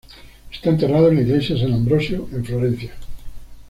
Está enterrado en la iglesia de San Ambrosio en Florencia.